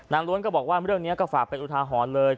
ล้วนก็บอกว่าเรื่องนี้ก็ฝากเป็นอุทาหรณ์เลย